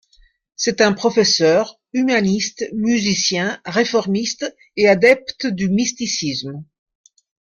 C'est un professeur, humaniste, musicien, réformiste et adepte du mysticisme.